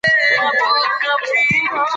که پوهه وي نو پاس وي.